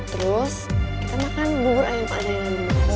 terus kita makan bubur ayam pak jalan